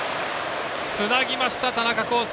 つなぎました、田中広輔。